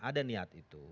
ada niat itu